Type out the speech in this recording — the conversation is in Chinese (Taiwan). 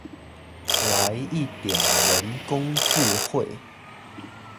來一點人工智慧